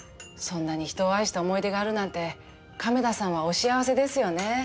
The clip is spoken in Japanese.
そんなに人を愛した思い出があるなんて亀田さんはお幸せですよね。